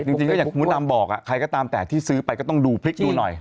จริงก็อย่างมดดำบอกใครก็ตามแต่ที่ซื้อไปก็ต้องดูพลิกดูหน่อย